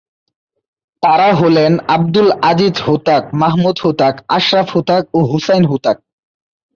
তারা হলেন আবদুল আজিজ হুতাক, মাহমুদ হুতাক, আশরাফ হুতাক ও হুসাইন হুতাক।